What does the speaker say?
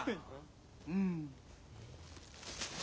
うん。